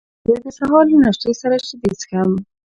زه د سهار له ناشتې سره شیدې څښم.